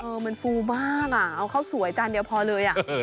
มันฟูมากอ่ะเอาข้าวสวยจานเดียวพอเลยอ่ะ